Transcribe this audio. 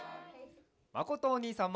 まことおにいさんも！